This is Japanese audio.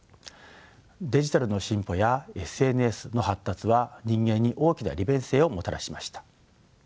デジタルの進歩やＳＮＳの発達は人間に大きな利便性をもたらしました。